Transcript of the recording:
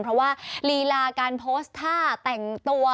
เพราะว่าลีลาการโพสต์ท่าแต่งตัว